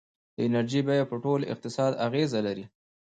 د انرژۍ بیه په ټول اقتصاد اغېزه لري.